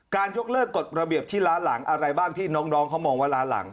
ยกเลิกกฎระเบียบที่ล้าหลังอะไรบ้างที่น้องเขามองว่าล้าหลัง